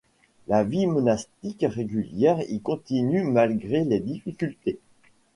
La vie monastique régulière y continue malgré les difficultés.